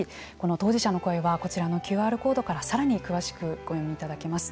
当事者の声はこちらのＱＲコードからさらに詳しくお読みいただけます。